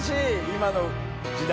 今の時代。